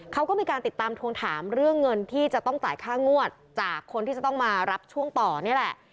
เขาก็มีการติดตามทวงถามเรื่องเงินที่จะต้องจ่ายค่างวดจากคนที่จะต้องมารับช่วงต่อนี่แหละ